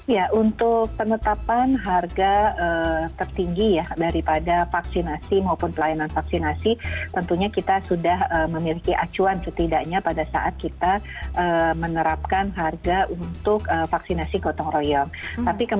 ya untuk penetapan harga tertinggi ya daripada vaksinasi maupun pelayanan vaksinasi tentunya kita sudah memiliki acuan setidaknya pada saat kita menerapkan harga untuk vaksinasi gotong royong